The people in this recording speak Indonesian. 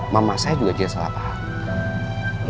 mama saya juga dia salah paham